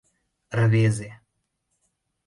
Рвезе!